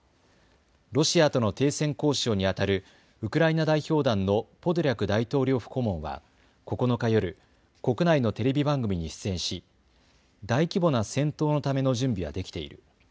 ロシアとの停戦交渉にあたるウクライナ代表団のポドリャク大統領府顧問は９日夜、国内のテレビ番組に出演し大規模な戦闘のための準備はできている。